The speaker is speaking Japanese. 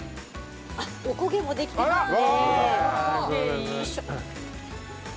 おこげもできてますね。